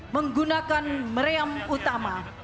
menggunakan meriam utama